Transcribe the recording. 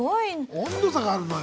温度差があるのよ。